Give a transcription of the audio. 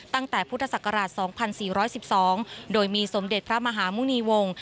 ตั้งแต่พุทธศักราช๒๔๑๒โดยมีสมเด็จพระมหาหมุณีวงศ์